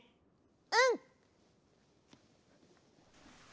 うん。